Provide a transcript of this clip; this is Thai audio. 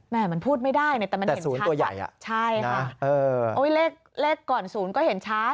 แหม่มันพูดไม่ได้แต่มันเห็นชัดกว่าใช่ค่ะโอ้ยเลขก่อน๐ก็เห็นชัด